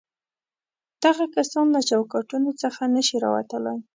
دغه کسان له چوکاټونو څخه نه شي راوتلای.